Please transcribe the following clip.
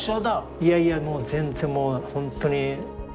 いやいやもう全然もう本当に。